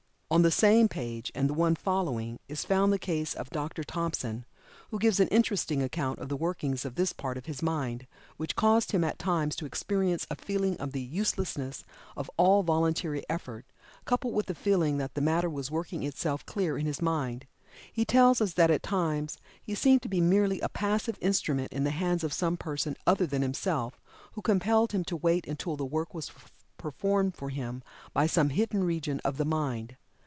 On the same page, and the one following, is found the case of Dr. Thompson, who gives an interesting account of the workings of this part of his mind, which caused him at times to experience a feeling of the uselessness of all voluntary effort, coupled with a feeling that the matter was working itself clear in his mind. He tells us that at times he seemed to be merely a passive instrument in the hands of some person other than himself, who compelled him to wait until the work was performed for him by some hidden region of the mind.